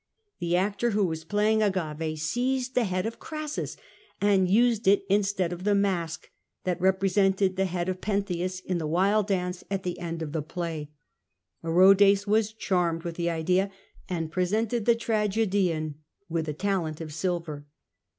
The actor who was playing 202 CRASSUS Agave seized tlie head of Crassus, and used it instead of the mask that represented the head of Pentheus in the wild dance at the end of the play, Orodes was charmed with the idea and presented the tragedian with a talent of silver.